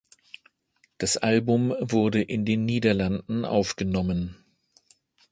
Das Album wurde in den Niederlanden aufgenommen.